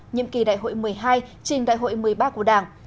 nhiệm kỳ đại hội một mươi hai trình đại hội một mươi ba của đảng